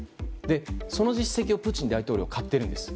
その実績をプーチン大統領は買っているんです。